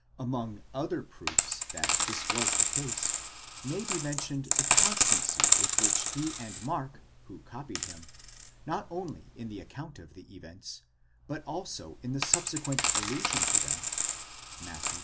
Among other proofs that this was the case, may be mentioned the constancy with which he and Mark, who copied him, not only in the account of the events, but also in the subsequent allusion to them (Matt.